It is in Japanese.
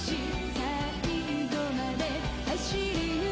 「最後まで走り抜けて」